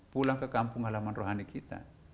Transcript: pulang ke kampung halaman rohani kita